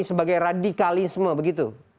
oke radikalisme begitu